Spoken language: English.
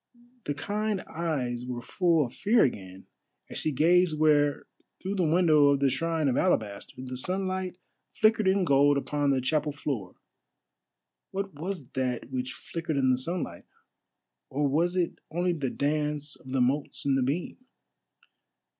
The kind eyes were full of fear again, as she gazed where, through the window of the shrine of alabaster, the sunlight flickered in gold upon the chapel floor. What was that which flickered in the sunlight? or was it only the dance of the motes in the beam?